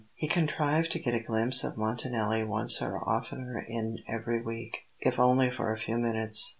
He contrived to get a glimpse of Montanelli once or oftener in every week, if only for a few minutes.